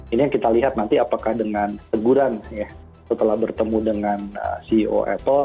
ini yang kita lihat nanti apakah dengan teguran setelah bertemu dengan ceo apple